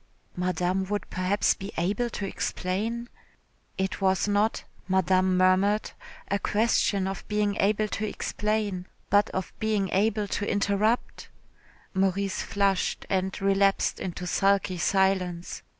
Madame would perhaps be able to explain.... It was not, Madame murmured, a question of being able to explain, but of being able to interrupt.... Maurice flushed and relapsed into sulky silence.